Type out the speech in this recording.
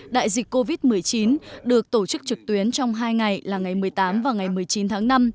đại dịch covid một mươi chín được tổ chức trực tuyến trong hai ngày là ngày một mươi tám và ngày một mươi chín tháng năm